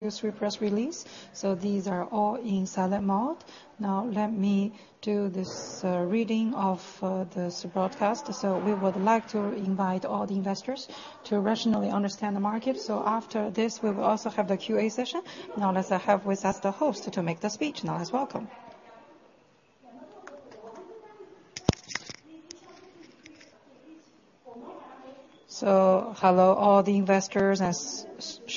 This press release, so these are all in silent mode. Now let me do this reading of this broadcast. So we would like to invite all the investors to rationally understand the market. So after this, we will also have the QA session. Now, let's have with us the host to make the speech. Now, let's welcome. So hello, all the investors and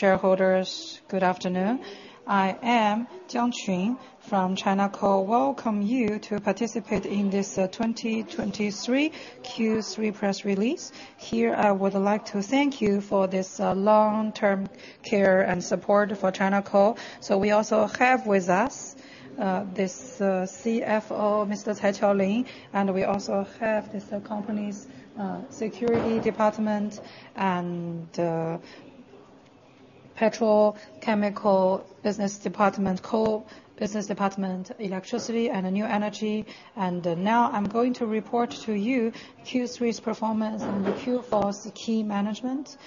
shareholders, good afternoon. I am Jiang Qun from China Coal. Welcome you to participate in this 2023 Q3 press release. Here, I would like to thank you for this long-term care and support for China Coal. So we also have with us this CFO, Mr. Chai Qiaolin, and we also have the company's securities department and petrochemical business department, coal business department, electricity, and the new energy. Now, I'm going to report to you Q3's performance and the Q4's key management.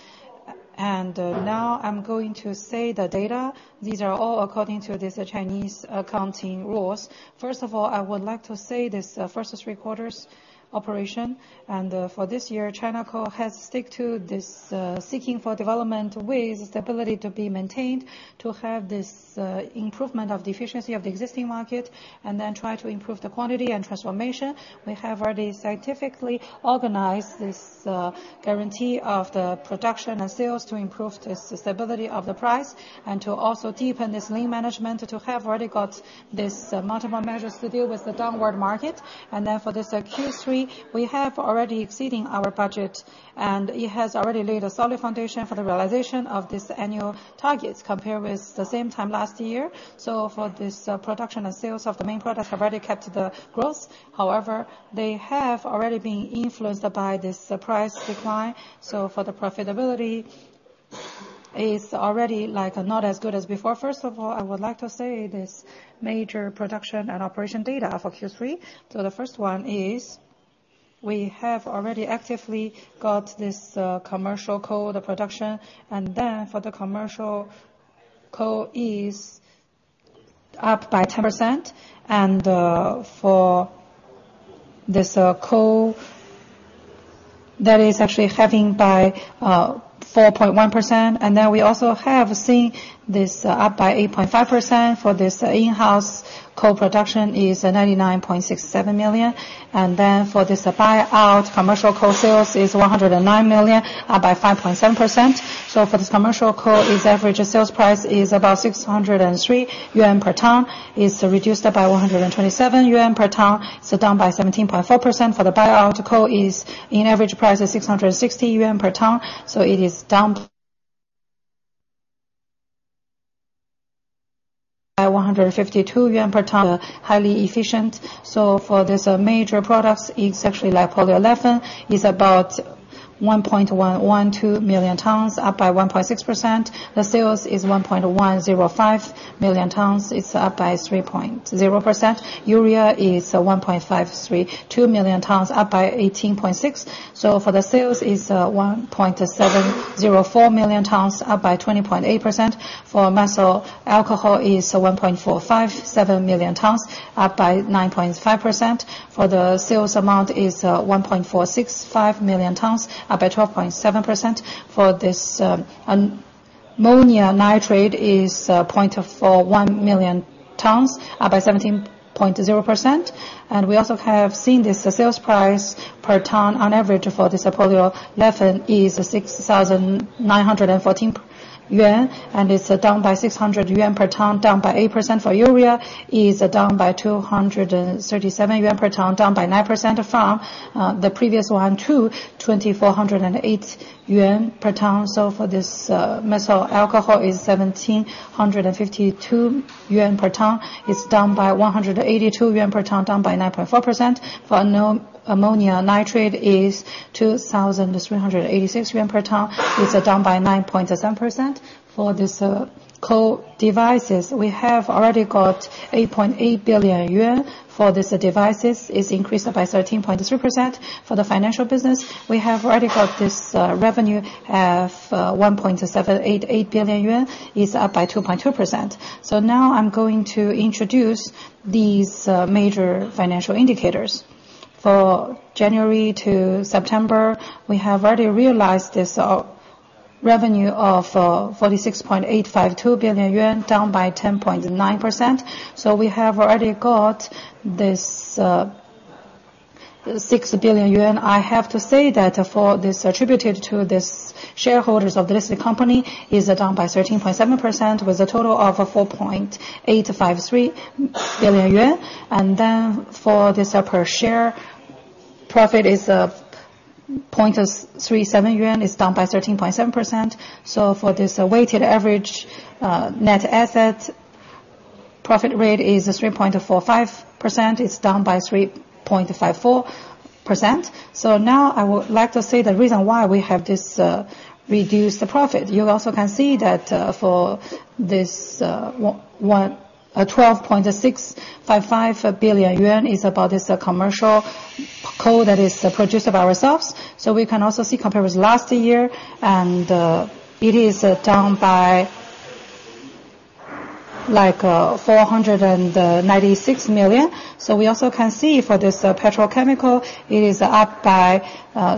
Now, I'm going to say the data. These are all according to this Chinese accounting rules. First of all, I would like to say this first three quarters operation, and for this year, China Coal has stick to this seeking for development with stability to be maintained, to have this improvement of the efficiency of the existing market, and then try to improve the quantity and transformation. We have already scientifically organized this guarantee of the production and sales to improve the stability of the price, and to also deepen this lean management, to have already got this multiple measures to deal with the downward market. And then for this Q3, we have already exceeding our budget, and it has already laid a solid foundation for the realization of this annual targets compared with the same time last year. So for this production and sales of the main products have already kept the growth. However, they have already been influenced by this price decline. So for the profitability, is already, like, not as good as before. First of all, I would like to say this major production and operation data for Q3. So the first one is, we have already actively got this commercial coal, the production, and then for the commercial coal is up by 10%. And for this coal, that is actually having by 4.1%. And then we also have seen this up by 8.5%. For this, in-house coal production is 99.67 million. And then for this, buy-out commercial coal sales is 109 million, up by 5.7%. So for this commercial coal, its average sales price is about 603 yuan per ton. It's reduced by 127 yuan per ton, so down by 17.4%. For the buy-out coal is in average price of 660 yuan per ton, so it is down by 152 yuan per ton, highly efficient. So for this, major products, it's actually like polyolefin, is about 1.112 million tons, up by 1.6%. The sales is 1.105 million tons, it's up by 3.0%. Urea is 1.532 million tons, up by 18.6%. So for the sales is 1.704 million tons, up by 20.8%. For methyl alcohol is 1.457 million tons, up by 9.5%. For the sales amount is 1.465 million tons, up by 12.7%. For this ammonium nitrate is 0.41 million tons, up by 17.0%. And we also have seen this sales price per ton on average for this polyolefin is 6,914 yuan, and it's down by 600 yuan per ton, down by 8%. For urea, is down by 237 yuan per ton, down by 9% from the previous one to 2,408 yuan per ton. For this, methyl alcohol is 1,752 yuan per ton. It's down by 182 yuan per ton, down by 9.4%. For ammonium nitrate, is 2,386 CNY per ton. It's down by 9.7%. For this, coal devices, we have already got 8.8 billion yuan. For this, devices, it's increased by 13.3%. For the financial business, we have already got this revenue of 1.788 billion yuan, is up by 2.2%. Now, I'm going to introduce these major financial indicators. For January to September, we have already realized this revenue of 46.852 billion yuan, down by 10.9%. So we have already got this 6 billion yuan. I have to say that for this attributed to this shareholders of the listed company, is down by 13.7%, with a total of 4.853 billion yuan. And then for this, per share profit is 0.37 yuan, is down by 13.7%. So for this weighted average net asset profit rate is 3.45%, it's down by 3.54%. So now, I would like to say the reason why we have this reduced profit. You also can see that, for this 12.655 billion yuan is about this commercial coal that is produced by ourselves, so we can also see compared with last year, and it is down by like 496 million. So we also can see for this petrochemical, it is up by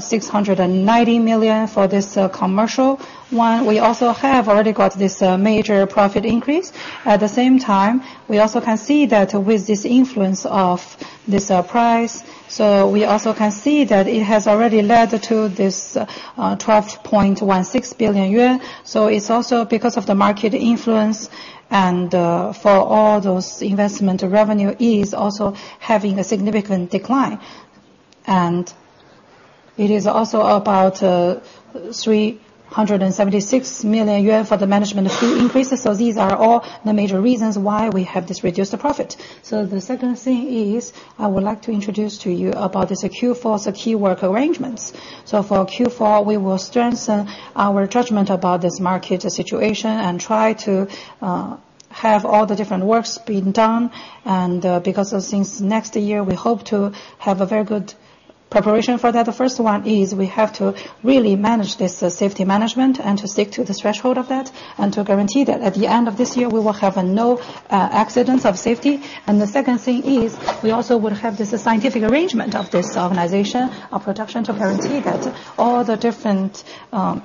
690 million for this commercial one. We also have already got this major profit increase. At the same time, we also can see that with this influence of this price, so we also can see that it has already led to this 12.16 billion yuan. So it's also because of the market influence and for all those investment revenue is also having a significant decline. It is also about 376 million yuan for the management fee increases, so these are all the major reasons why we have this reduced profit. So the second thing is, I would like to introduce to you about this Q4's key work arrangements. So for Q4, we will strengthen our judgment about this market situation and try to have all the different works being done, and because since next year, we hope to have a very good preparation for that. The first 1 is we have to really manage this safety management and to stick to the threshold of that, and to guarantee that at the end of this year, we will have no accidents of safety. And the second thing is, we also would have this scientific arrangement of this organization of production to guarantee that all the different,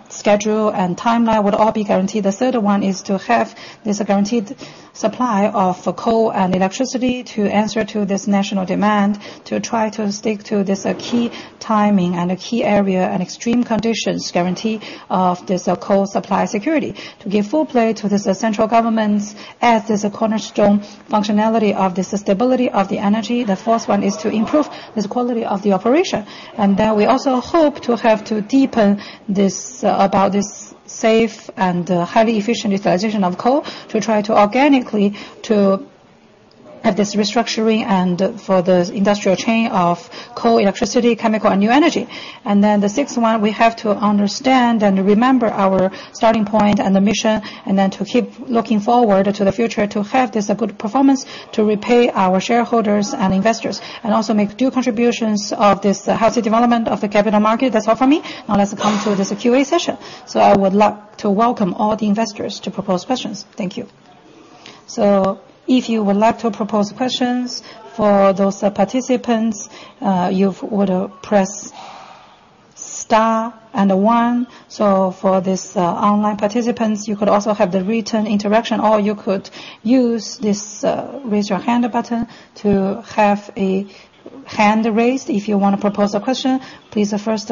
schedule and timeline would all be guaranteed. The third 1 is to have this guaranteed supply of coal and electricity to answer to this national demand, to try to stick to this, key timing and a key area and extreme conditions guarantee of this, coal supply security, to give full play to this, central government's as this cornerstone functionality of the stability of the energy. The fourth one is to improve this quality of the operation. And then we also hope to have to deepen this, about this safe and, highly efficient utilization of coal, to try to organically to have this restructuring and for the industrial chain of coal, electricity, chemical and new energy. Then the 6th one, we have to understand and remember our starting point and the mission, and then to keep looking forward to the future, to have this good performance, to repay our shareholders and investors, and also make due contributions of this healthy development of the capital market. That's all for me. Now, let's come to this Q&A session. So I would like to welcome all the investors to propose questions. Thank you. So if you would like to propose questions for those participants, you would press Star and one. So for this online participants, you could also have the written interaction, or you could use this Raise Your Hand button to have a hand raised. If you want to propose a question, please first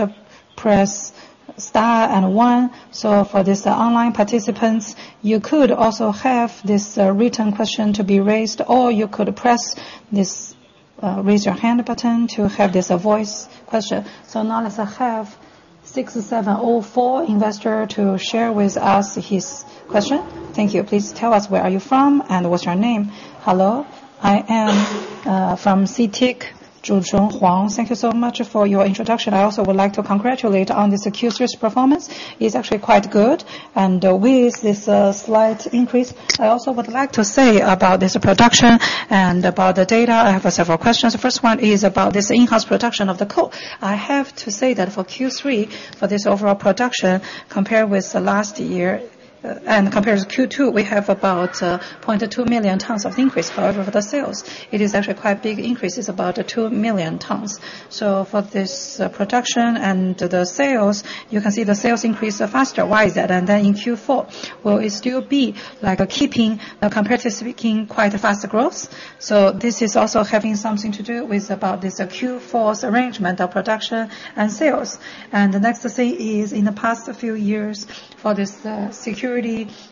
press Star and one. So for this online participants, you could also have this written question to be raised, or you could press this Raise Your Hand button to have this voice question. So now let's have 6704 investor to share with us his question. Thank you. Please tell us where are you from and what's your name? Hello, I am from CITIC, Huang Zhuchen. Thank you so much for your introduction. I also would like to congratulate on this Q3's performance. It's actually quite good. And with this slight increase, I also would like to say about this production and about the data, I have several questions. The first 1 is about this in-house production of the coal. I have to say that for Q3, for this overall production, compared with the last year and compared to Q2, we have about 0.2 million tons of increase. However, for the sales, it is actually quite a big increase. It's about 2 million tons. So for this production and the sales, you can see the sales increase faster. Why is that? And then in Q4, will it still be like keeping comparatively speaking, quite a faster growth? So this is also having something to do with about this Q4's arrangement of production and sales. And the next thing is, in the past few years, for this security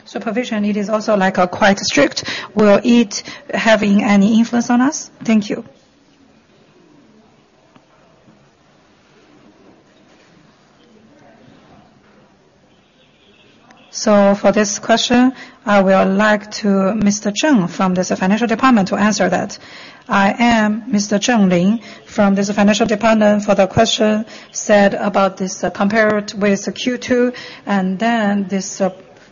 supervision, it is also like a quite strict. Will it having any influence on us? Thank you. So for this question, I would like Mr. Cheng from this financial department to answer that. I am Mr. Cheng Lin from the Financial Department. For the question said about this, compared with Q2, and then this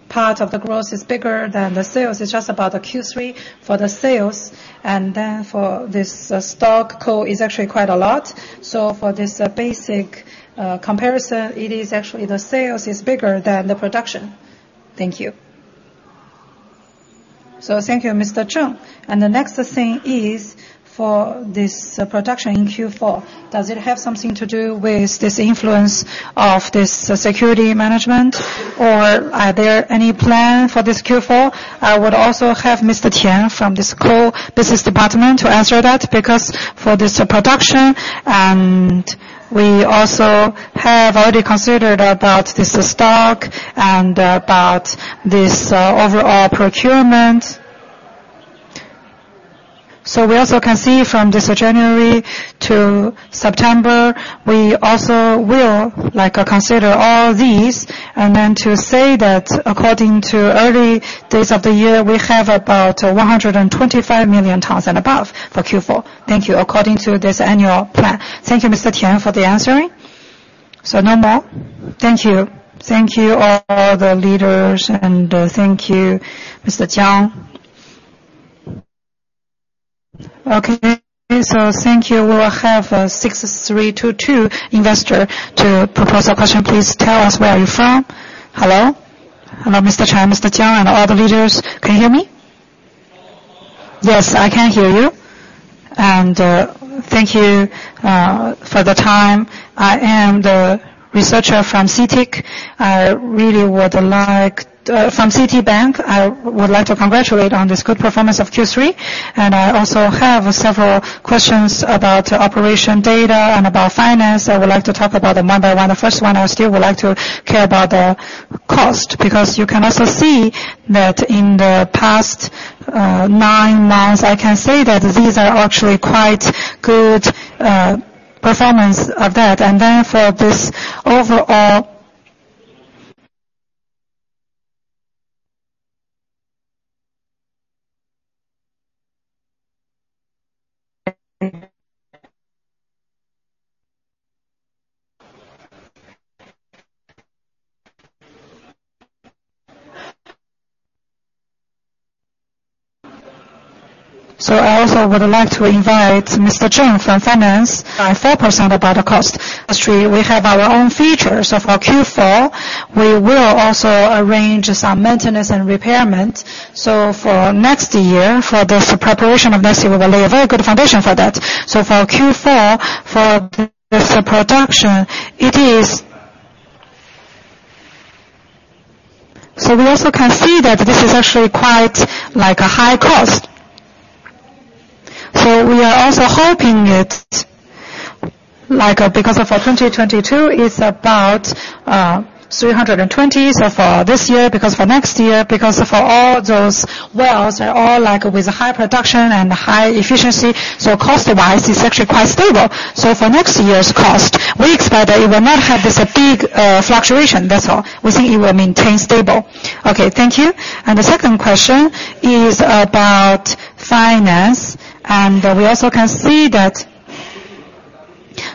part of the growth is bigger than the sales. It's just about the Q3 for the sales and then for this stock, coal is actually quite a lot. So for this basic comparison, it is actually the sales is bigger than the production. Thank you. So thank you, Mr. Cheng. The next thing is for this production in Q4, does it have something to do with this influence of this security management, or are there any plan for this Q4? I would also have Mr. Tian from the Coal Business Department to answer that, because for this production, and we also have already considered about this stock and about this overall procurement. We also can see from this January to September, we also will like, consider all these, and then to say that according to early days of the year, we have about 125 million tons and above for Q4. Thank you. According to this annual plan. Thank you Mr. Tian, for the answering. No more? Thank you. Thank you, all the leaders, and thank you Mr. Jiang. Okay, thank you. We will have 6 3 2 2 investor to propose a question. Please tell us where are you from? Hello? Hello, Mr. Chai, Mr. Jiang, and all the leaders. Can you hear me? Yes, I can hear you. Thank you for the time. I am the researcher from CITIC. I really would like—from Citibank. I would like to congratulate on this good performance of Q3, and I also have several questions about operation data and about finance. I would like to talk about the number one. The first 1, I still would like to care about the cost, because you can also see that in the past, nine months, I can say that these are actually quite good performance of that. So I also would like to invite Mr. Cheng from Finance by 4% about the cost. Actually, we have our own features. So for Q4, we will also arrange some maintenance and repairs. So for next year, for this preparation of next year, we will lay a very good foundation for that. So for Q4, for this production, it is... So we also can see that this is actually quite like a high cost. We are also hoping it, like, because of for 2022, it's about 320. So for this year, because for next year, because for all those wells, they're all like, with high production and high efficiency, so cost-wise, it's actually quite stable. So for next year's cost, we expect that it will not have this a big fluctuation, that's all. We think it will maintain stable. Okay, thank you. The second question is about finance. We also can see that.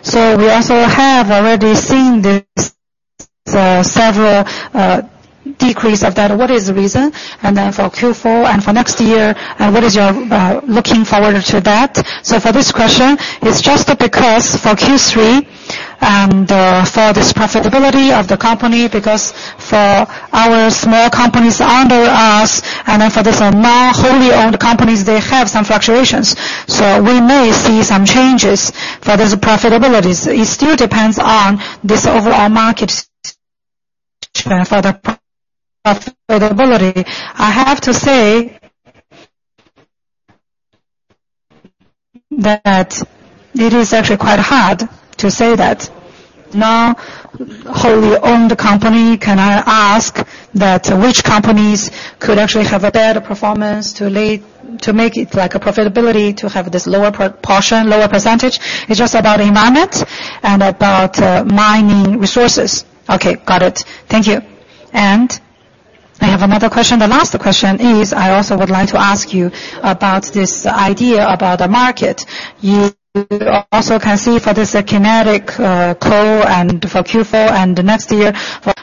So we also have already seen this several decrease of that. What is the reason? And then for Q4, and for next year, and what is your looking forward to that? So for this question, it's just because for Q3 for this profitability of the company, because for our small companies under us, and then for this non-wholly owned companies, they have some fluctuations. So we may see some changes for this profitabilities. It still depends on this overall market for the profitability. I have to say that it is actually quite hard to say that non-wholly owned company. Can I ask that which companies could actually have a better performance to lay, to make it like a profitability, to have this lower portion, lower percentage? It's just about environment and about mining resources. Okay, got it. Thank you. And I have another question. The last question is, I also would like to ask you about this idea about the market. You also can see for this thermal coal and for Q4 and the next year for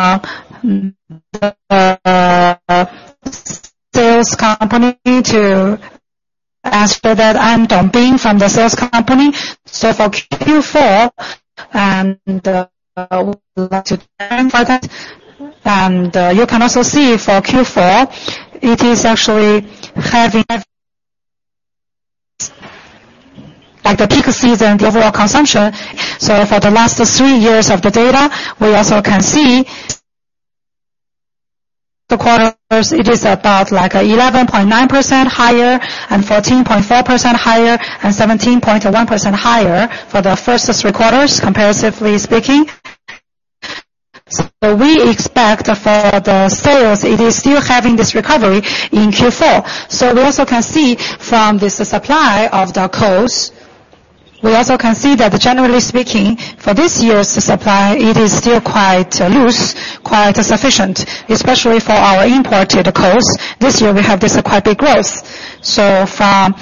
the sales company to ask for that. I'm Dong Bing from the sales company. So for Q4, and we would like to learn for that. And you can also see for Q4, it is actually having, like, the peak season, the overall consumption. So for the last three years of the data, we also can see the quarters, it is about like 11.9 higher, and 14.4 higher, and 17.1 higher for the first three quarters, comparatively speaking. So we expect for the sales, it is still having this recovery in Q4. So we also can see from this supply of the coals, we also can see that generally speaking, for this year's supply, it is still quite loose, quite sufficient, especially for our imported coals. This year we have this quite big growth. So from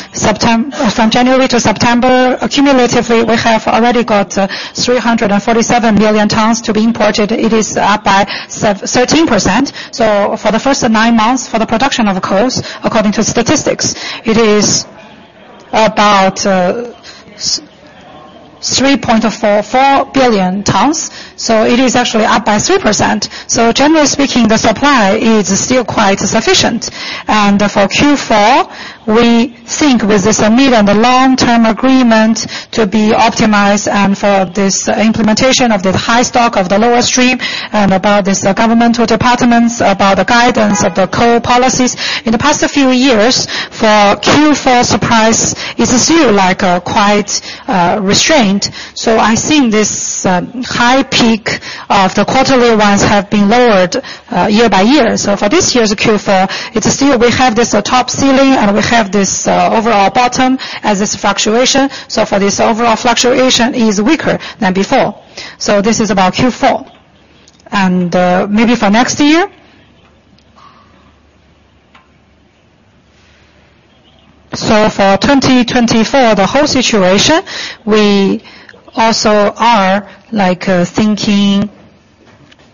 January to September, accumulatively, we have already got 347 million tons to be imported. It is up by 13%. So for the first nine months, for the production of the coals, according to statistics, it is about 3.4 to 4 billion tons. So it is actually up by 3%. So generally speaking, the supply is still quite sufficient. And for Q4, we think with this medium and long-term agreement to be optimized, and for this implementation of the high stock of the lower stream, and about this governmental departments, about the guidance of the coal policies, in the past few years, for Q4, surprise, it's still like a quite restrained. So I think this high peak of the quarterly ones have been lowered year by year. So for this year's Q4, it's still we have this top ceiling, and we have this overall bottom as this fluctuation. So for this overall fluctuation is weaker than before. So this is about Q4. And maybe for next year?... So for 2024, the whole situation, we also are, like, thinking,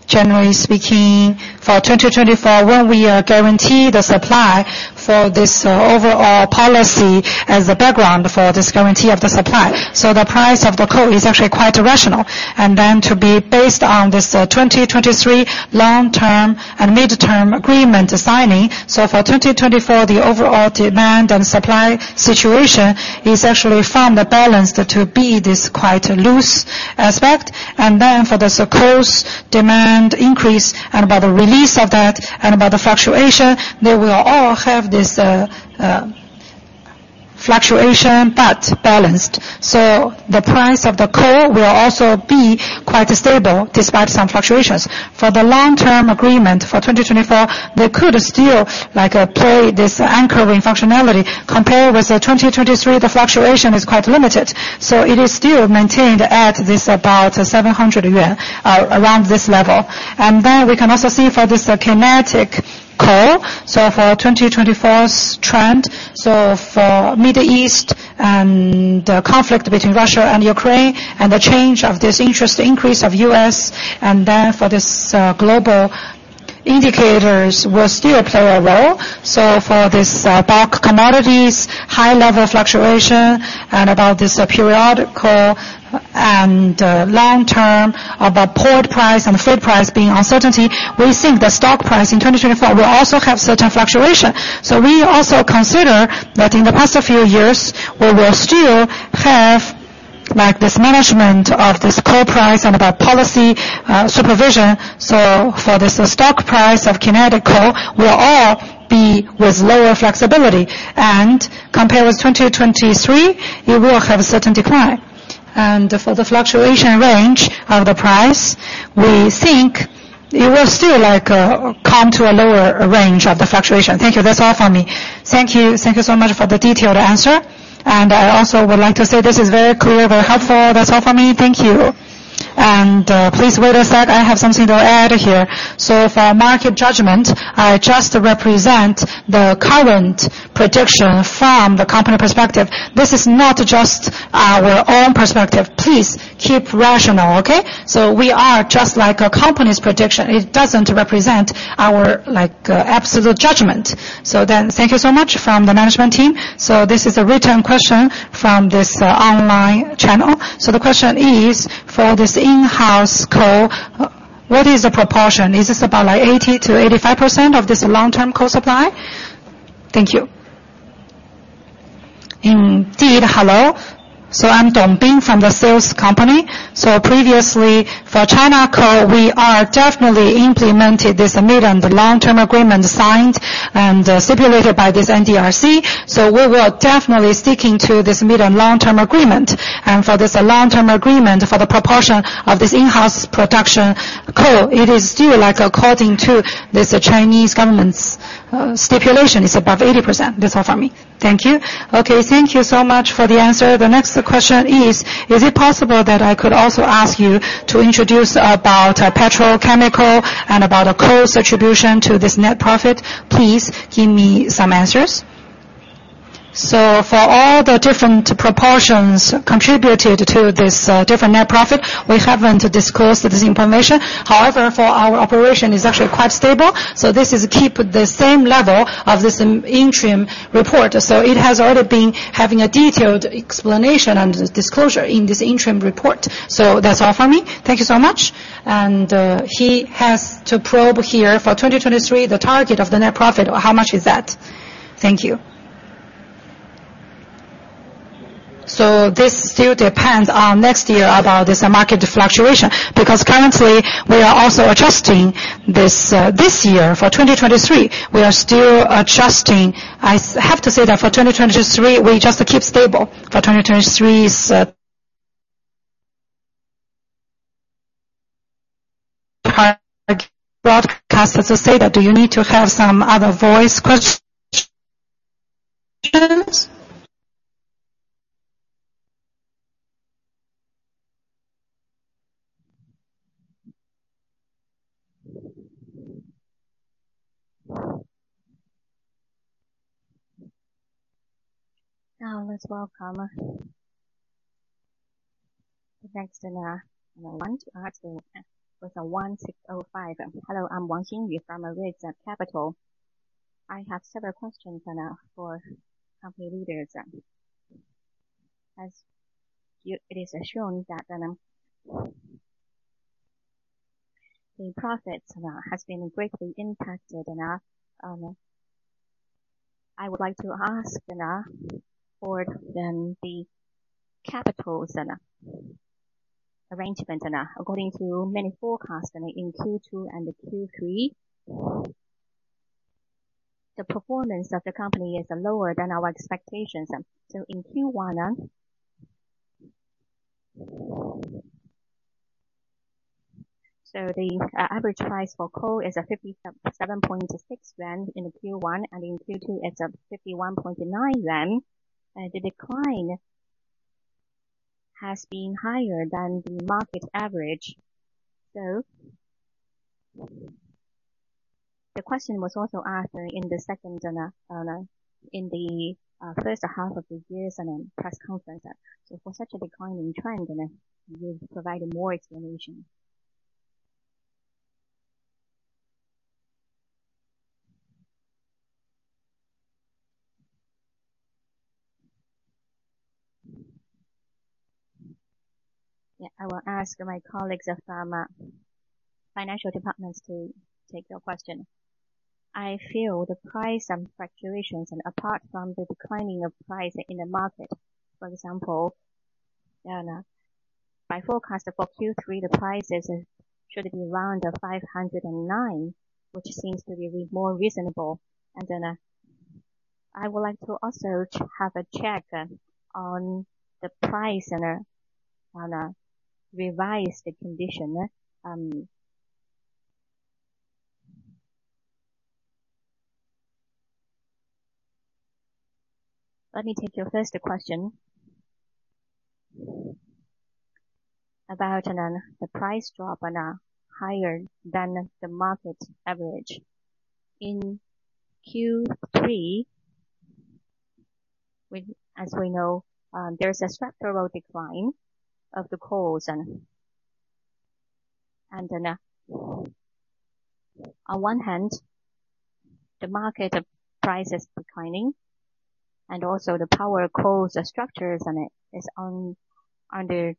generally speaking, for 2024, when we guarantee the supply for this overall policy as a background for this guarantee of the supply. So the price of the coal is actually quite rational, and then to be based on this 2023 long-term and mid-term agreement signing. So for 2024, the overall demand and supply situation is actually from the balance to be this quite loose aspect. And then for the close demand increase, and about the release of that, and about the fluctuation, they will all have this fluctuation, but balanced. So the price of the coal will also be quite stable, despite some fluctuations. For the long-term agreement for 2024, they could still, like, play this anchoring functionality. Compared with 2023, the fluctuation is quite limited, so it is still maintained at this about 700 yuan, around this level. Then we can also see for this kinetic coal, so for 2024's trend, so for Middle East and the conflict between Russia and Ukraine, and the change of this interest increase of US, and then for this, global indicators will still play a role. So for this, bulk commodities, high level fluctuation, and about this periodical and, long term, about port price and freight price being uncertainty, we think the stock price in 2024 will also have certain fluctuation. So we also consider that in the past few years, we will still have, like, this management of this coal price and about policy, supervision. So for this stock price of thermal coal will all be with lower flexibility, and compared with 2023, it will have a certain decline. For the fluctuation range of the price, we think it will still, like, come to a lower range of the fluctuation. Thank you. That's all for me. Thank you. Thank you so much for the detailed answer. I also would like to say this is very clear, very helpful. That's all for me. Thank you. Please wait a sec, I have something to add here. So for market judgment, I just represent the current prediction from the company perspective. This is not just our own perspective. Please keep rational, okay? So we are just like a company's prediction. It doesn't represent our, like, absolute judgment. So then, thank you so much from the management team. So this is a written question from this online channel. So the question is: For this in-house coal, what is the proportion? Is this about, like, 80 to 85% of this long-term coal supply? Thank you. Indeed. Hello, so I'm Dong Bing from the sales company. So previously, for China Coal, we are definitely implemented this mid- and long-term agreement signed and stipulated by this NDRC. So we will definitely sticking to this mid- and long-term agreement. And for this long-term agreement, for the proportion of this in-house production coal, it is still, like, according to this Chinese government's stipulation, it's above 80%. That's all for me. Thank you. Okay, thank you so much for the answer. The next question is, is it possible that I could also ask you to introduce about petrochemical and about coal's attribution to this net profit? Please give me some answers. So for all the different proportions contributed to this, different net profit, we haven't disclosed this information. However, for our operation, it's actually quite stable, so this is keep the same level of this interim report. So it has already been having a detailed explanation and disclosure in this interim report. So that's all for me. Thank you so much. And, he has to probe here for 2023, the target of the net profit, how much is that? Thank you. So this still depends on next year about this market fluctuation, because currently, we are also adjusting this, this year, for 2023, we are still adjusting. I have to say that for 2023, we just keep stable. For 2023's broadcast, let's just say that, do you need to have some other voice questions? Let's welcome the next, I want to ask with 1605. Hello, I'm Wang Xinyu from Ritz Capital. I have several questions for company leaders. As you {.......} it is shown that the profits has been greatly impacted, and I would like to ask, you know, for them, the capital's arrangement. And according to many forecasts, and in Q2 and Q3, the performance of the company is lower than our expectations. So in Q1... So the average price for coal is 57.6 CNY in Q1, and in Q2, it's 51.9 CNY. The decline has been higher than the market average. The question was also asked in the second, and in the first half of the year in a press conference. So for such a declining trend, and then you've provided more explanation. Yeah, I will ask my colleagues from financial departments to take your question. I feel the price and fluctuations, and apart from the declining of price in the market, for example, my forecast for Q3, the prices should be around 509, which seems to be more reasonable. And then I would like to also have a check on the price and on a revised condition. Let me take your first question. About the price drop and higher than the market average. In Q3, as we know, there's a structural decline of the coals and on one hand, the market price is declining, and also the power coal structures, and it is under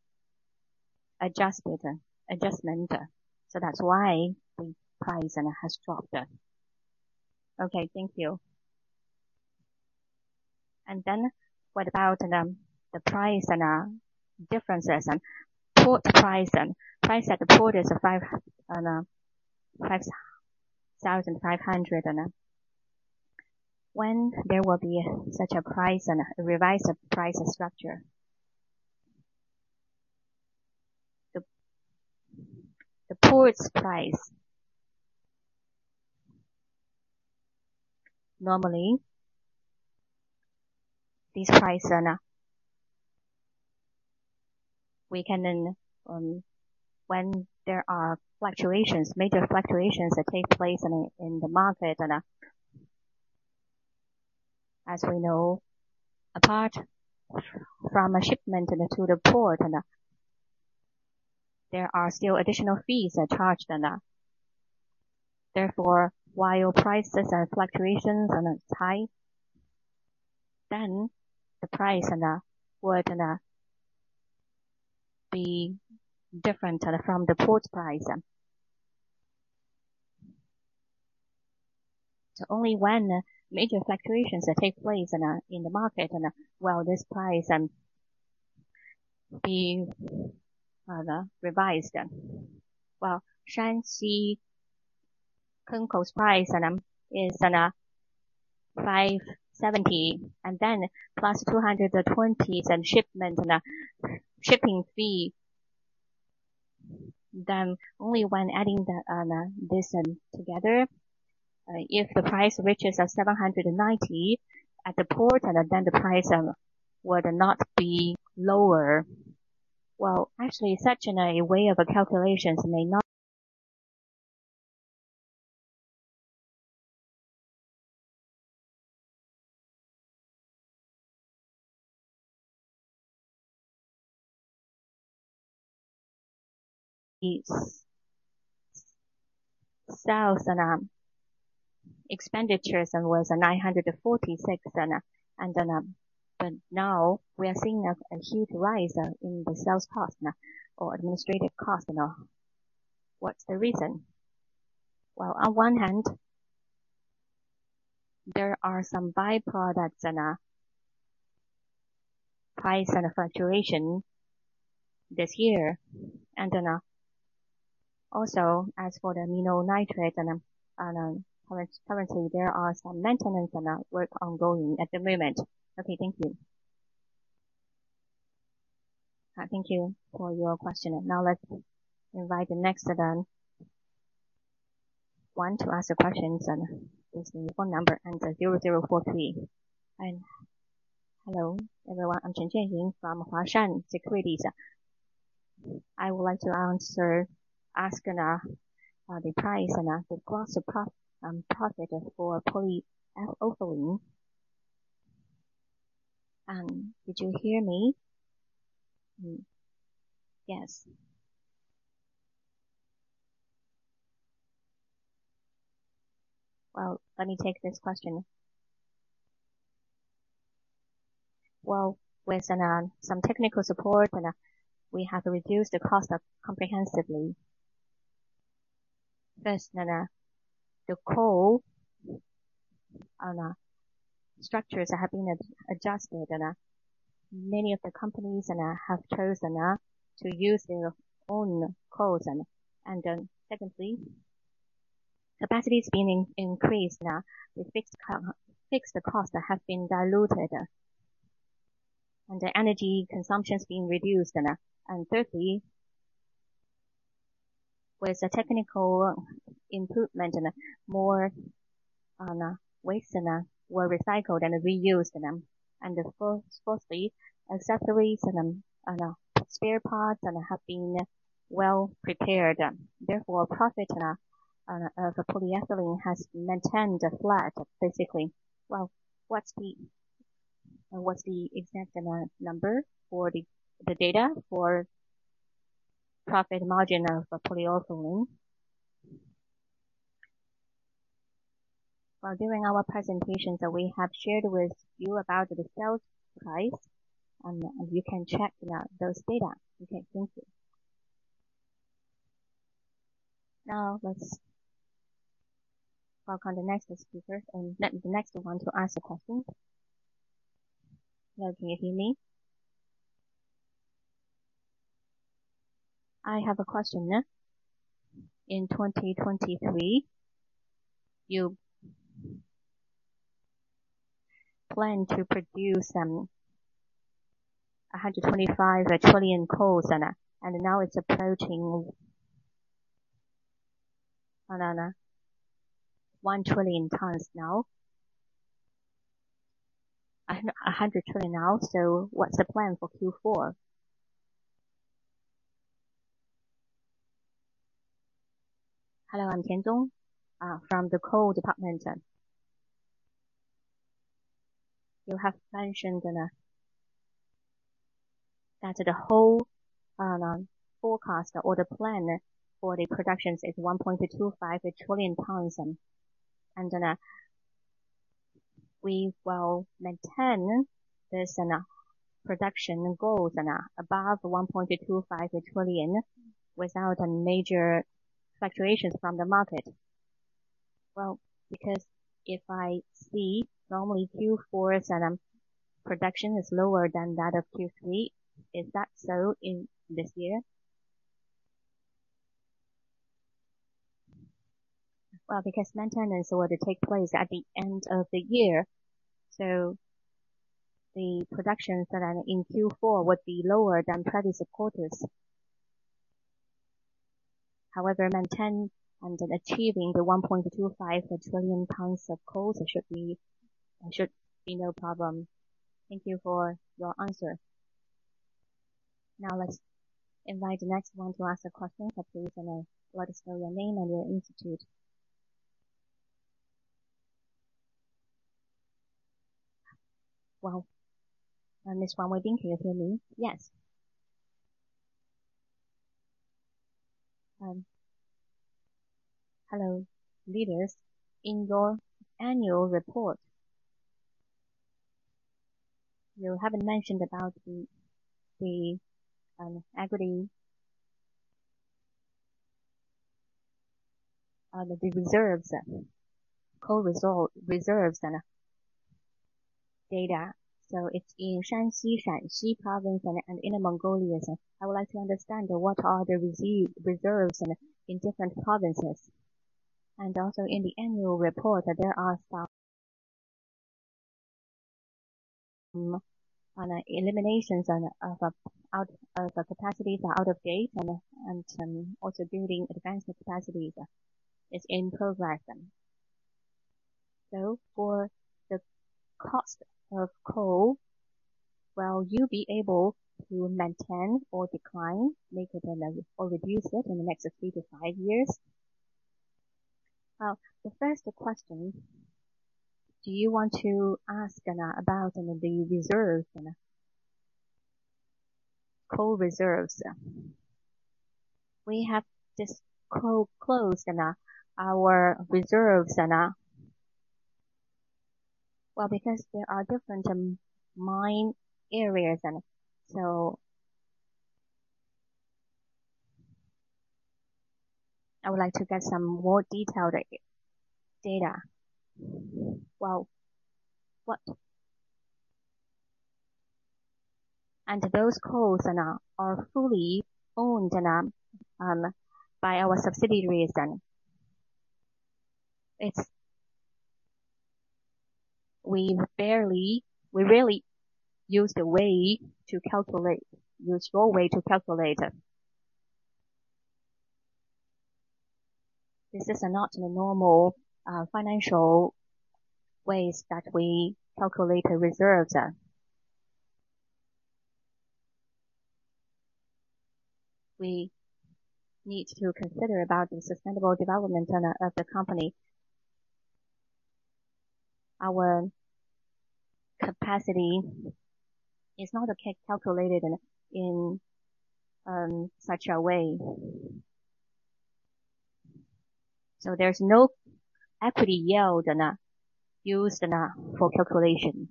adjustment. So that's why the price, and it has dropped. Okay, thank you. And then what about, the price and, differences and port price and price at the port is 5,500, and, when there will be such a price and a revised price structure? The, the port's price. Normally, these prices are now... We can then, when there are fluctuations, major fluctuations that take place in, in the market, and, as we know, apart from a shipment to the port, and, there are still additional fees are charged and, therefore, while prices and fluctuations and it's high, then the price and, were gonna be different from the port's price. So only when major fluctuations take place in, in the market, and, well, this price, be, revised. Well, Shanxi Kengkou price and is on a 570, and then plus 220, and shipment and shipping fee. Then only when adding this together, if the price reaches a 790 at the port, and then the price would not be lower. Well, actually, such in a way of a calculations may not... These sales and expenditures was CNY 946, and then, but now we are seeing a huge rise in the sales cost, or administrative cost, and what's the reason? Well, on one hand, there are some byproducts and price and fluctuation this year, and then also, as for the ammonium nitrate and policy, there are some maintenance and work ongoing at the moment. Okay, thank you. Thank you for your question. Now, let's invite the next one to ask the questions, and it's the phone number ending 0, 0, 4, 3. Hello, everyone. I'm Chen Xianying from Huaxin Securities. I would like to ask the price and the cost of the project for polyethylene. Could you hear me? Yes. Well, let me take this question. Well, with some technical support, we have reduced the cost comprehensively. First, the coal structures are having adjusted, and many of the companies have chosen to use their own coals. Secondly, capacity is being increased, now the fixed costs have been diluted, and the energy consumption is being reduced. And thirdly, with the technical improvement and more on waste and were recycled and reused. And, and firstly, accessories and, and spare parts have been well prepared. Therefore, profit of polyethylene has maintained flat, basically. Well, what's the exact number for the data for profit margin of polyethylene? Well, during our presentation, so we have shared with you about the sales price, and you can check those data. Okay, thank you. Now, let's welcome the next speaker, and the next one to ask the question. Well, can you hear me? I have a question. In 2023, you planned to produce 125 million coals, and now it's approaching 1 trillion tons now. 100 million now, so what's the plan for Q4? Hello, I'm Tian Dong from the coal department. You have mentioned that the whole forecast or the plan for the productions is 1.25 trillion tons, and we will maintain this production goals and above 1.25 trillion without major fluctuations from the market. Well, because if I see normally Q4's production is lower than that of Q3, is that so in this year? Well, because maintenance were to take place at the end of the year, the productions that are in Q4 would be lower than previous quarters. However, maintain and achieving the 1.25 trillion tons of coal should be, should be no problem. Thank you for your answer. Now, let's invite the next one to ask the question. Please let us know your name and your institute. Well, Miss Wang Wei, can you hear me? Yes. Hello, leaders. In your annual report, you haven't mentioned about the equity, the reserves, coal reserves and data. It's in Shanxi Province and in Inner Mongolia. I would like to understand what are the reserves in different provinces, and also in the annual report, there are some eliminations and of, out, of the capacities are out of date and also building advanced capacities is in progress. For the cost of coal, will you be able to maintain or decline, make it or reduce it in the next three to five years? The first question, do you want to ask about the reserve and... Coal reserves? We have this close and our reserves and, well, because there are different mine areas and so... I would like to get some more detailed data. Well, what? And those coals and are fully owned and by our subsidiaries, and it's. We barely, we rarely use the way to calculate use your way to calculate. This is not the normal financial ways that we calculate the reserves. We need to consider about the sustainable development and of the company. Our capacity is not calculated in such a way. So there's no equity yield and used and for calculation.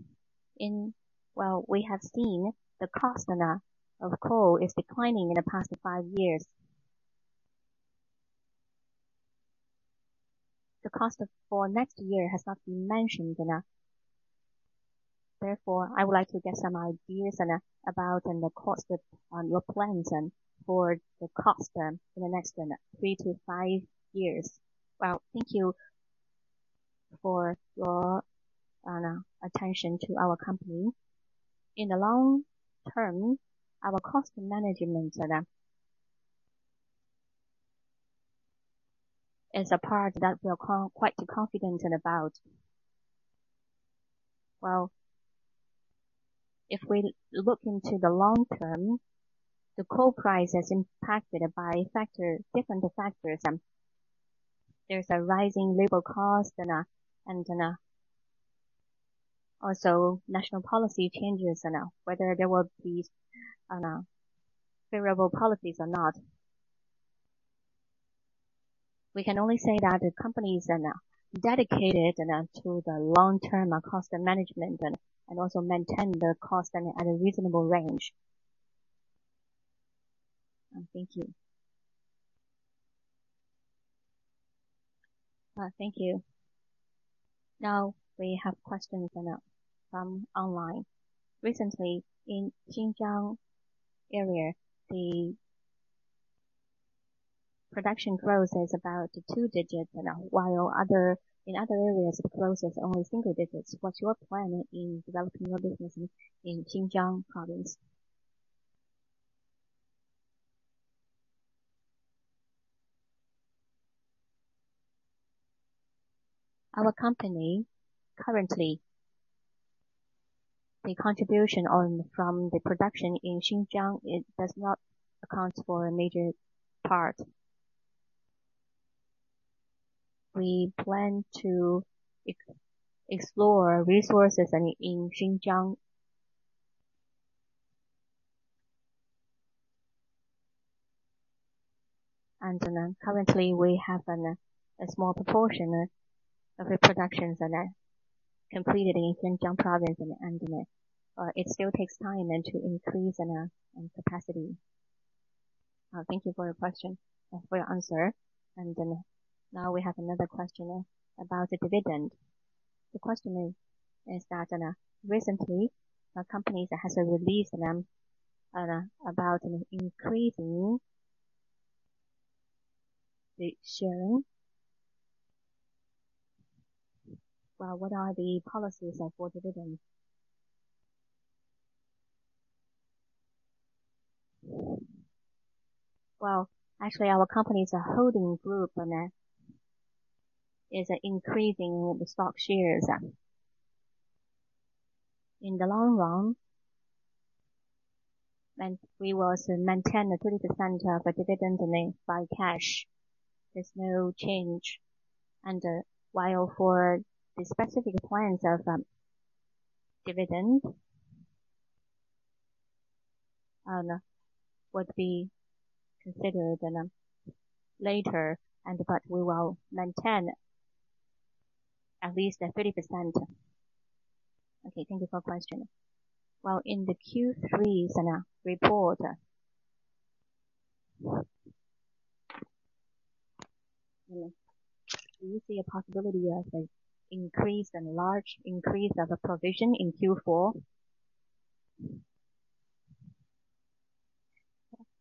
In. Well, we have seen the cost and of coal is declining in the past five years. The cost of for next year has not been mentioned enough. Therefore, I would like to get some ideas and about the cost of your plans and for the cost in the next 3 to 5 years. Well, thank you for your attention to our company. In the long term, our cost management and. It's a part that we are quite confident about. Well, if we look into the long term, the coal price is impacted by factors, different factors, and there's a rising labor cost and and also national policy changes, and whether there will be favorable policies or not. We can only say that the companies are now dedicated and to the long-term cost management and and also maintain the cost at a reasonable range. Thank you. Thank you. Now we have questions, you know, from online. Recently, in Xinjiang area, the production growth is about two digits and while in other areas, growth is only single digits. What's your plan in developing your business in Xinjiang province? Our company, currently, the contribution from the production in Xinjiang, it does not account for a major part. We plan to explore resources in Xinjiang. And currently, we have a small proportion of the productions that are completed in Xinjiang province and but it still takes time to increase in capacity. Thank you for your question, for your answer. And then now we have another question about the dividend. The question is, recently, our company has released about increasing the sharing. Well, what are the policies for dividends? Well, actually, our company is a holding group, and is increasing the stock shares. In the long run, we will maintain 30% of the dividend in it by cash. There's no change. And, while for the specific plans of dividend would be considered, and later, and but we will maintain at least a 30%. Okay, thank you for your question. Well, in the Q3 report... Do you see a possibility of an increase, a large increase of the provision in Q4?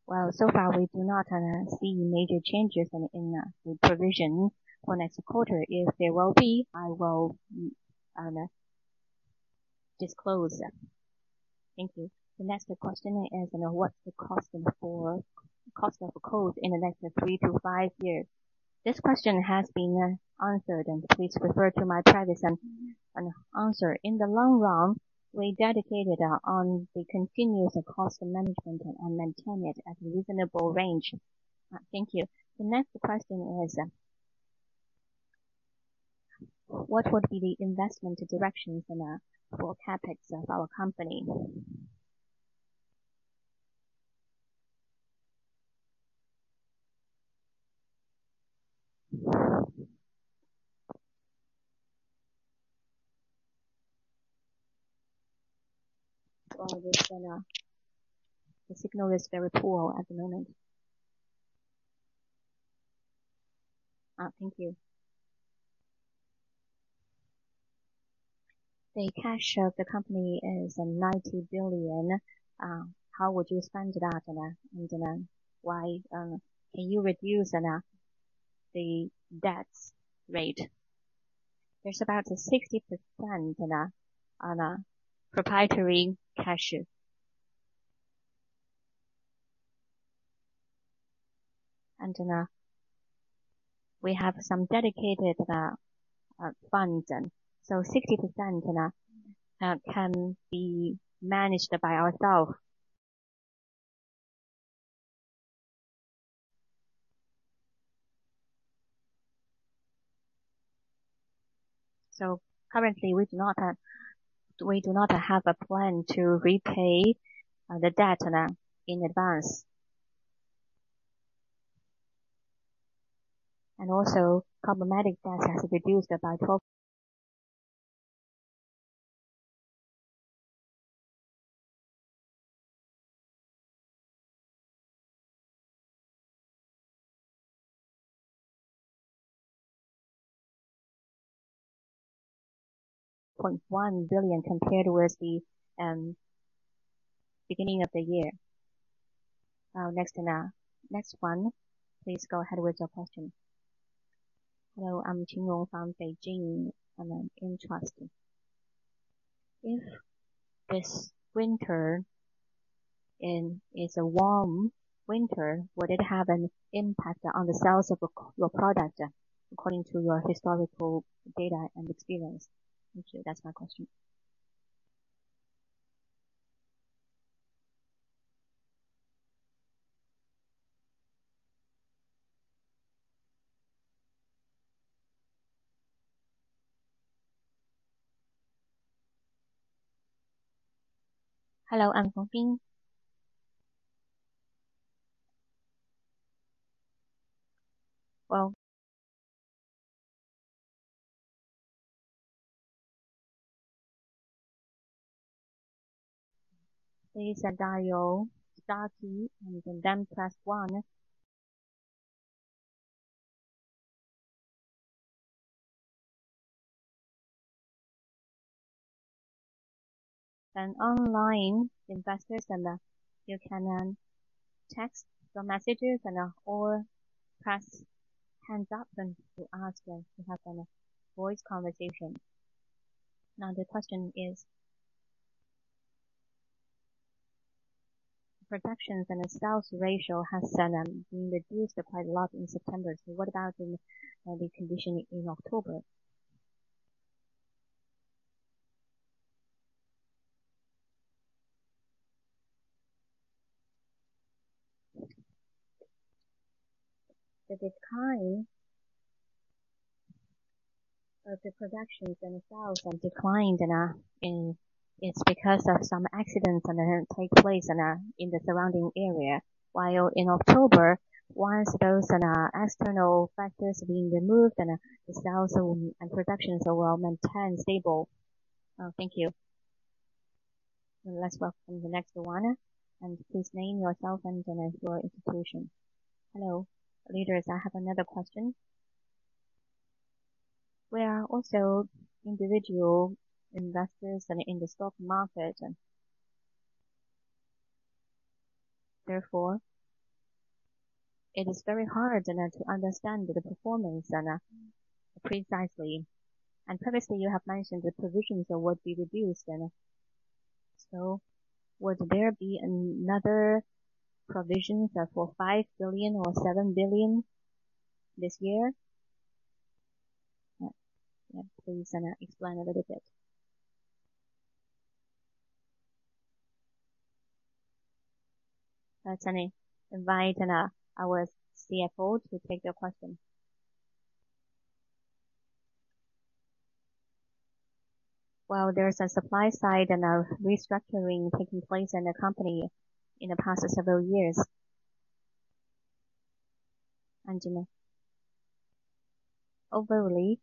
Well, so far, we do not see major changes in the provision for next quarter. If there will be, I will disclose that. Thank you. The next question is, you know, what's the cost of coal in the next 3-5 years? This question has been answered, and please refer to my previous answer. In the long run, we dedicated on the continuous cost management and maintain it at a reasonable range. Thank you. The next question is... What would be the investment directions, and, for CapEx of our company? Well, the signal is very poor at the moment. Thank you. The cash of the company is 90 billion. How would you spend that? And why can you reduce the debts rate? There's about 60%, and, on a proprietary cash. And, you know, we have some dedicated, funds, and so 60%, you know, can be managed by ourselves. So currently, we do not have a plan to repay the debt, and, in advance. And also, complementary debt has reduced by CNY 12.1 billion compared with the beginning of the year. Next one. Please go ahead with your question. Hello, I'm Tina from Beijing, and I'm in Trust.... If this winter and it's a warm winter, would it have an impact on the sales of your, your product according to your historical data and experience? Actually, that's my question. Hello, I'm from Bing. Well. Please dial star key, and then press one. And online investors, and you can text your messages and or press hands up and to ask them to have a voice conversation. Now, the question is, productions and the sales ratio has been reduced quite a lot in September. So what about the condition in October? The decline of the productions and sales have declined, and and it's because of some accidents and then take place in the surrounding area. While in October, once those and external factors being removed and the sales and productions are well maintained stable. Thank you. Let's welcome the next one, and please name yourself and then your institution. Hello leaders. I have another question. We are also individual investors in the stock market. Therefore, it is very hard and to understand the performance and precisely. And previously, you have mentioned the provisions will what be reduced, and so would there be another provisions for 5 billion or 7 billion this year? Please and explain a little bit. Let's invite our CFO to take your question. Well, there's a supply side and a restructuring taking place in the company in the past several years. And then overall,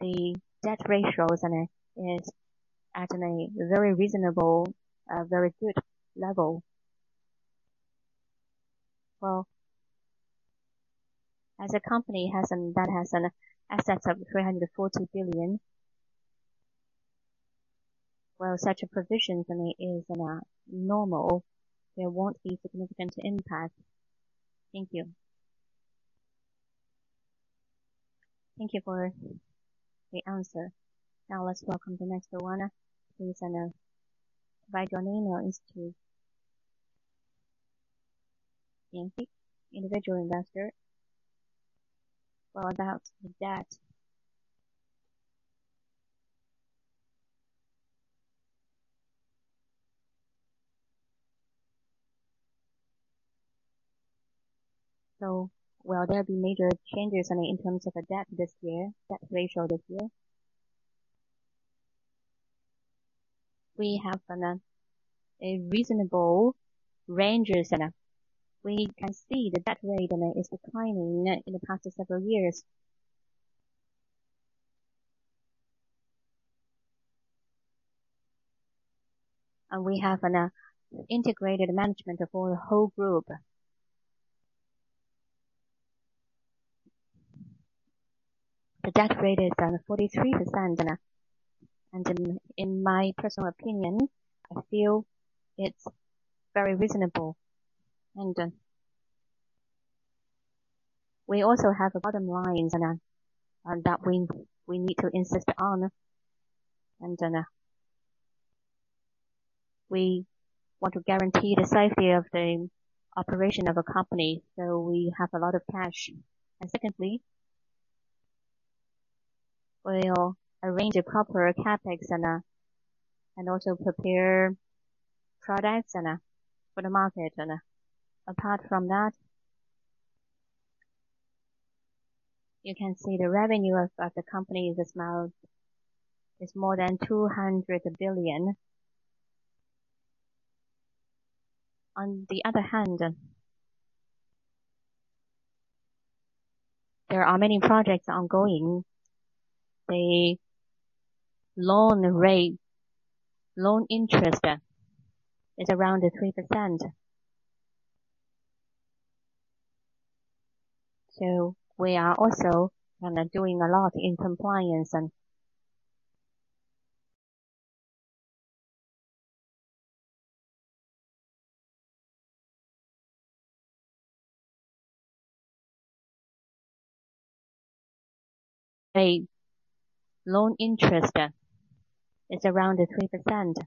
the debt ratios and is at a very reasonable very good level. Well, as a company that has assets of 340 billion, well, such a provision for me is normal. There won't be significant impact. Thank you. Thank you for the answer. Now, let's welcome the next one. Please, and by joining us to... Thank you individual investor. Well, about the debt. So will there be major changes in terms of the debt this year, debt ratio this year? We have a reasonable ranges, and we can see the debt rate is declining in the past several years. And we have an integrated management for the whole group. The debt rate is down 43%, and in my personal opinion, I feel it's very reasonable. And we also have a bottom line and that we need to insist on. We want to guarantee the safety of the operation of a company, so we have a lot of cash. Secondly, we'll arrange a proper CapEx and also prepare products and for the market. Apart from that, you can see the revenue of the company this month is more than CNY 200 billion. On the other hand, there are many projects ongoing. The loan rate, loan interest, is around 3%. So we are also doing a lot in compliance and... The loan interest is around 3%.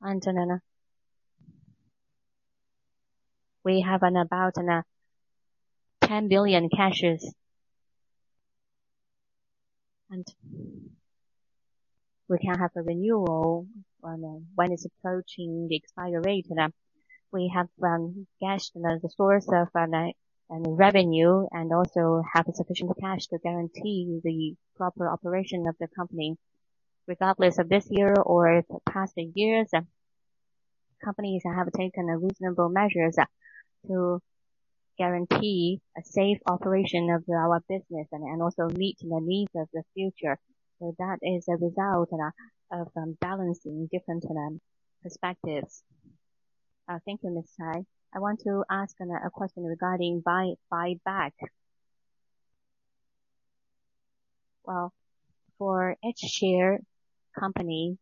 And we have about CNY 10 billion cash. And we can have a renewal when it's approaching the expiry rate. And we have cash as a source of revenue, and also have sufficient cash to guarantee the proper operation of the company. Regardless of this year or the past years, companies have taken reasonable measures to guarantee a safe operation of our business and also meet the needs of the future. That is a result of balancing different perspectives. Thank you Miss Tai. I want to ask a question regarding buy, buyback. For each share company...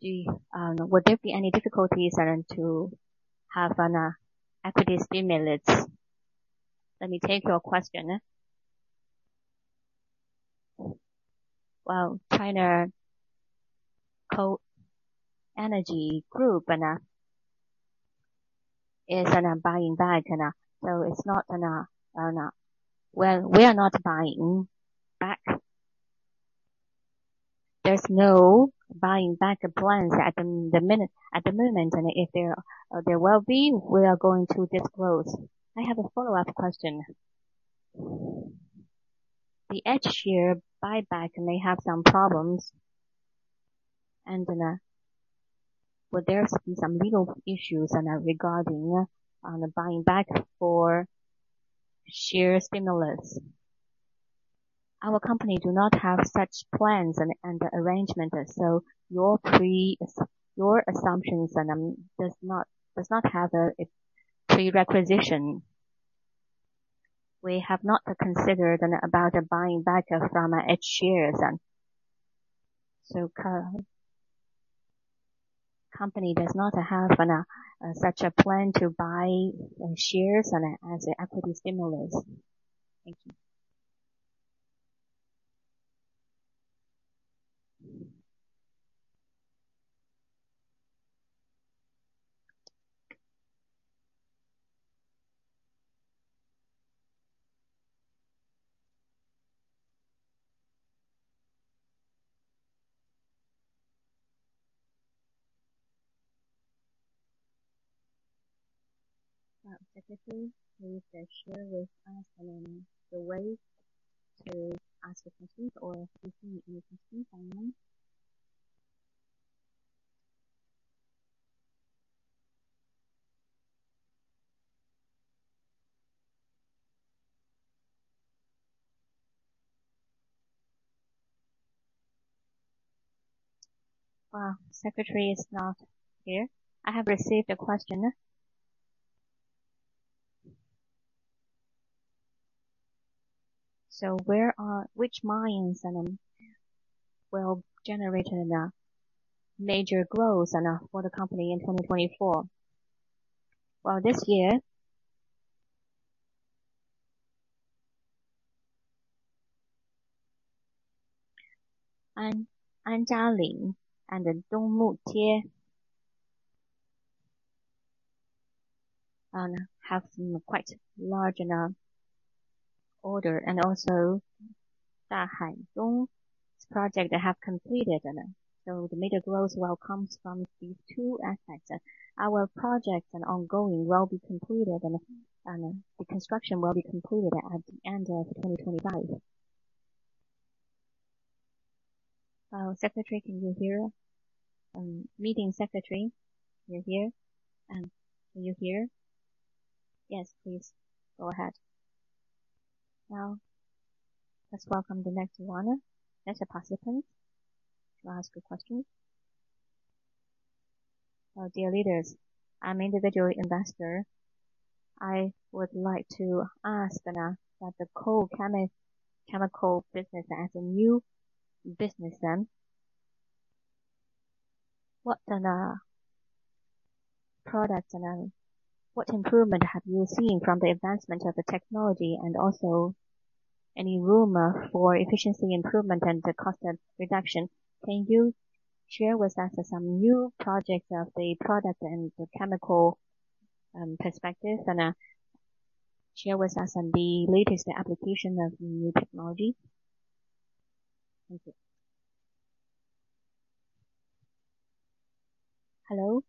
Do you, would there be any difficulties to have an equity stimulus? Let me take your question. China Coal Energy Group is not buying back, so it's not enough. We are not buying back. There's no buying back plans at the minute, at the moment, and if there will be, we are going to disclose. I have a follow-up question. The H share buyback may have some problems, and will there be some legal issues and regarding the buying back for share stimulus? Our company do not have such plans and arrangement, so your assumptions and does not have a prerequisite. We have not considered about buying back from H shares. So company does not have such a plan to buy shares as equity stimulus. Thank you. Secretary, please share with us the way to ask the questions or if you need any questions for them. Secretary is not here. I have received a question. So which mines will generate enough major growth enough for the company in 2024? Well, this year... Anjialing and the East Open Pit have some quite large enough order and also the Dahaize project they have completed. So the major growth well comes from these 2 aspects. Our projects and ongoing will be completed and the construction will be completed at the end of 2025. Secretary, can you hear? Meeting secretary, you're here? Are you here? Yes please go ahead. Now, let's welcome the next one, next participant to ask a question. Dear leaders, I'm individual investor. I would like to ask that the coal chemical business, as a new business, then what products and what improvement have you seen from the advancement of the technology and also any room for efficiency improvement and the cost reduction? Can you share with us some new projects of the product and the chemical perspectives, and share with us on the latest application of new technology? Thank you. Hello,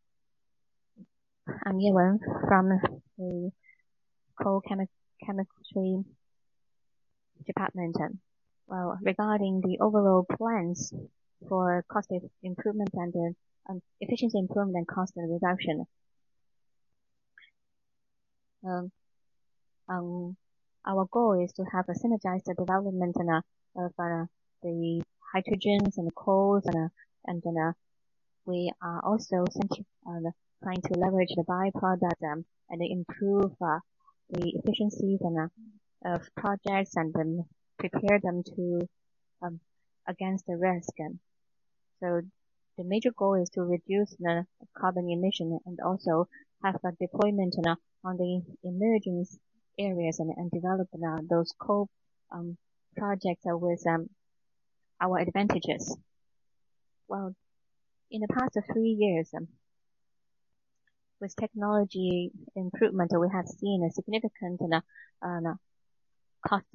I'm Yan Wen from the Coal Chemical Department. Well, regarding the overall plans for cost improvement and efficiency improvement and cost reduction, our goal is to have a synergized development and of the hydrogens and the coals, and we are also center trying to leverage the by-product and improve the efficiency of projects and then prepare them to against the risk. And so the major goal is to reduce the carbon emission and also have a deployment on the emergence areas and develop those coal projects with our advantages. Well, in the past 3 years, with technology improvement, we have seen a significant cost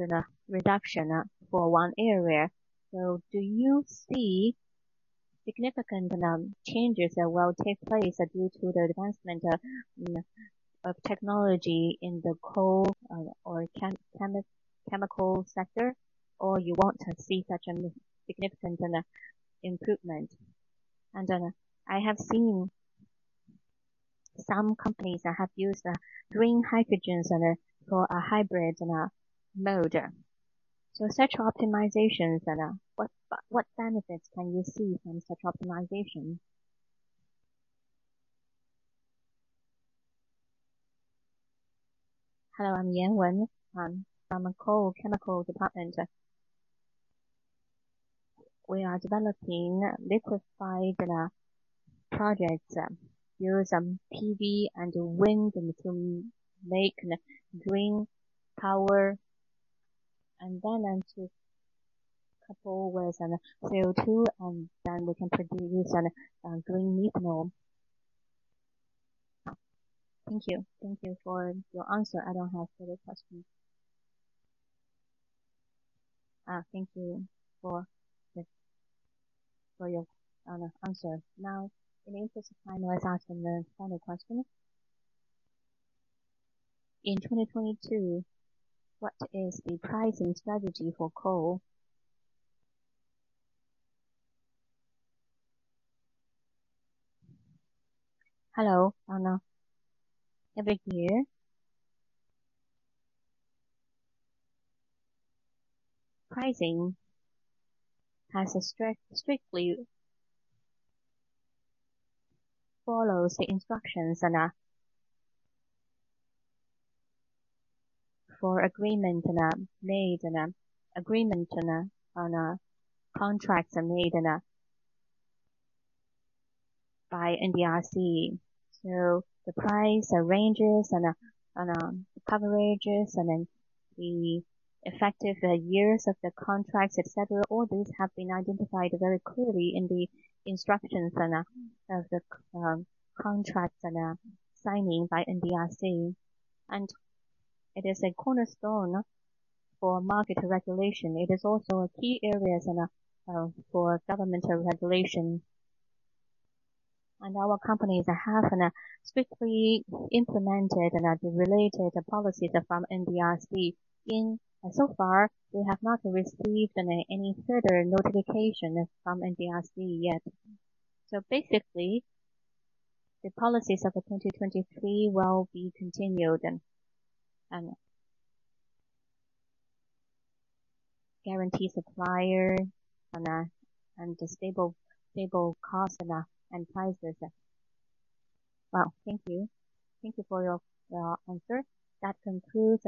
reduction for 1 area. So do you see significant changes that will take place due to the advancement of technology in the coal or chemical sector? Or you want to see such a significant improvement? And I have seen some companies that have used green hydrogens and for a hybrid and mode. So such optimizations and what benefits can you see from such optimization? Hello, I'm Yan Wen. I'm from the Coal Chemical Department. We are developing liquefied projects, use PV and wind, and to make green power, and then, and to couple with an CO2, and then we can produce an green methanol. Thank you. Thank you for your answer. I don't have further questions. Thank you for the, for your, answer. Now, in the interest of time, let's ask the final question. In 2022, what is the pricing strategy for coal? Hello. I know every year, pricing strictly follows the instructions and for agreement and made an agreement and on contracts are made in by NDRC. So the price arranges and coverages, and then the effective years of the contracts, et cetera. All these have been identified very clearly in the instructions and of the contracts and signing by NDRC, and it is a cornerstone for market regulation. It is also a key areas and for governmental regulation. And our companies have strictly implemented the related policies from NDRC. In so far, we have not received any further notification from NDRC yet. So basically, the policies of 2023 will be continued and guarantee supplier and stable cost and prices. Well, thank you. Thank you for your answer. That concludes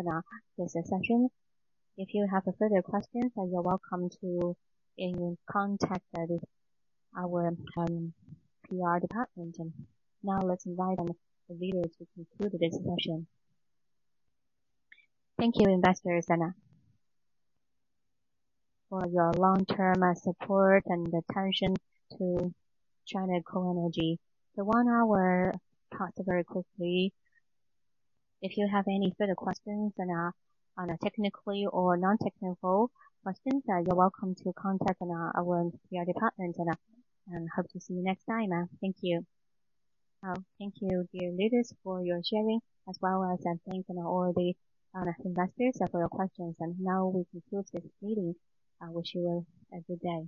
this session. If you have further questions, then you're welcome to contact at our PR department. And now let's invite the leader to conclude the discussion. Thank you, investors, and for your long-term support and attention to China Coal Energy. The 1 hour passed very quickly. If you have any further questions and on a technical or non-technical questions, you're welcome to contact our PR department and hope to see you next time. Thank you. Thank you dear leaders for your sharing, as well as and thanks to all the investors for your questions. And now we conclude this meeting. Wish you a good day.